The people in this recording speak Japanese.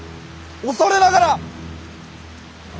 恐れながら！